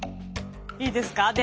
いいですか？